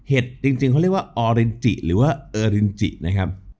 จริงเขาเรียกว่าออรินจิหรือว่าเออรินจินะครับ